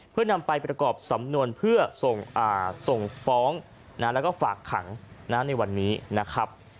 เพื่อนำไปประกอบสำนวนเพื่อส่งฟ้องแล้วก็ฝากขังในวันนี้นะครับ